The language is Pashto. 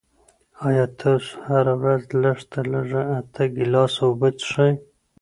آیا تاسو هره ورځ لږ تر لږه اته ګیلاسه اوبه څښئ؟